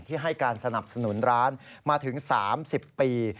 ให้การสนับสนุนร้านมาถึง๓๐ปี